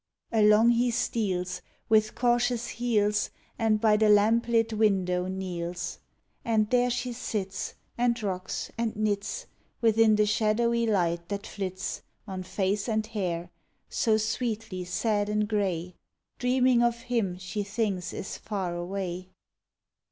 Along he steals With cautious heels, And by the lamplit window kneels: And there she sits, And rocks and knits Within the shadowy light that flits On face and hair, so sweetly sad and gray, Dreaming of him she thinks is far away.